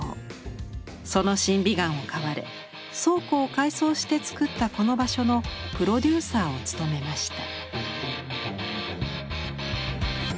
その審美眼を買われ倉庫を改装して作ったこの場所のプロデューサーを務めました。